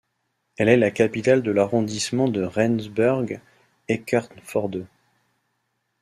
Elle est la capitale de l'arrondissement de Rendsburg-Eckernförde.